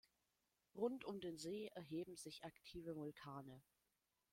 Rund um den See erheben sich aktive Vulkane.